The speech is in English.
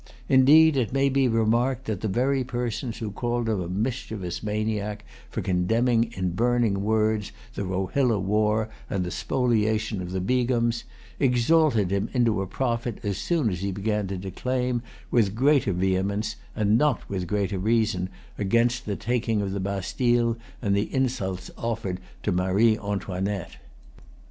Indeed, it may be remarked that the very persons who called him a mischievous maniac, for condemning in burning words the Rohilla war and the spoliation of the Begums, exalted him into a prophet as soon as he began to declaim, with greater vehemence, and not with greater reason, against the taking of the Bastile and the insults offered to Marie Antoinette.